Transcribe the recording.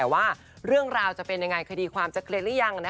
แต่ว่าเรื่องราวจะเป็นยังไงคดีความจะเคลียร์หรือยัง